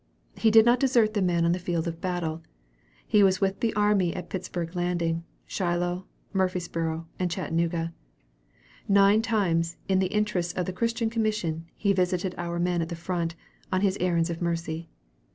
He did not desert these men on the field of battle. He was with the army at Pittsburgh Landing, Shiloh, Murfreesboro', and Chattanooga. Nine times, in the interests of the Christian Commission, he visited our men at the front, on his errands of mercy.